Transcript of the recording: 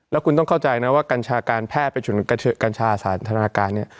แล้วคุณต้องเข้าใจนะว่ากัญชาการแพทย์ไปถึงกัญชาสานธนาการเนี่ย